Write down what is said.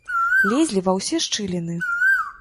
Лезлі ва ўсе шчыліны.